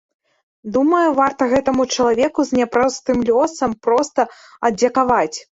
Думаю, варта гэтаму чалавеку з няпростым лёсам проста аддзякаваць.